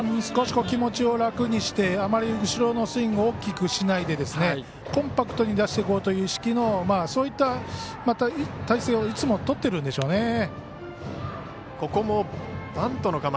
少し気持ちを楽にしてあまり後ろのスイングを大きくしないでコンパクトに出していこうという意識のそういった体勢をいつもとっているんでしょうね。